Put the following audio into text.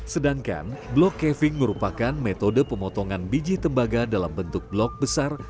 sedangkan block caving merupakan metode pemotongan biji tembaga dalam bentuk blok besar